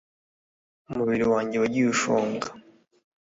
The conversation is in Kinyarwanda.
umubiri wanjye wagiye ushonga